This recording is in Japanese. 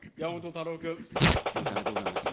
すみません、ありがとうございます。